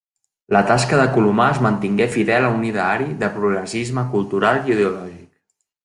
La tasca de Colomar es mantingué fidel a un ideari de progressisme cultural i ideològic.